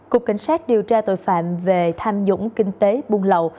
cục cảnh sát điều tra tội phạm về tham nhũng kinh tế buôn lậu